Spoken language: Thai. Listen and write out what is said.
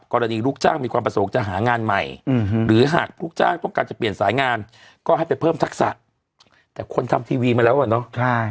ลูกจ้างมีความประสงค์จะหางานใหม่หรือหากลูกจ้างต้องการจะเปลี่ยนสายงานก็ให้ไปเพิ่มทักษะแต่คนทำทีวีมาแล้วอ่ะเนาะ